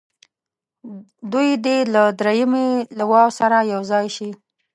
دوی دې له دریمې لواء سره یو ځای شي.